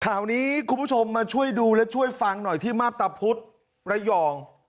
ข่าวนี้คุณผู้ชมมาช่วยดูและช่วยฟังหน่อยที่มาพตะพุธระยอง